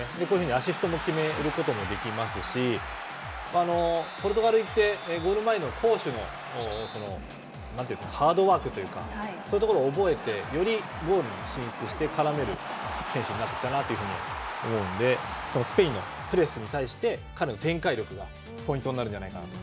アシストも決めることができるしポルトガルに行ってゴール前での攻守のハードワークというかそういうところを覚えてよりゴール前に進出して絡める選手になったかなと思うのでスペインのプレスに対して彼の展開力がポイントになるんじゃないかなと。